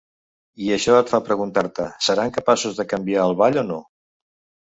I això et fa preguntar-te: seran capaços de canviat el ball o no?